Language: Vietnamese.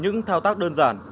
những thao tác đơn giản